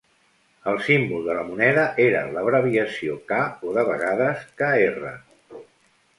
El símbol de la moneda era l'abreviació K. o, de vegades, Kr.